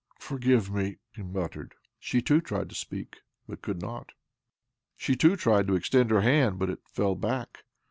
"Forgive me I " he murmured. She too tried to speak, but could not. She too tried to extend her hand, but it fell back.